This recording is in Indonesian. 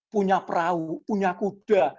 punya perahu punya kuda